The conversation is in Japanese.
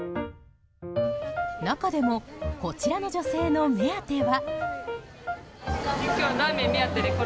中でもこちらの女性の目当ては。